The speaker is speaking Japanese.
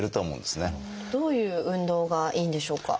どういう運動がいいんでしょうか？